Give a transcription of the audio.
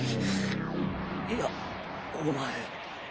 いやお前。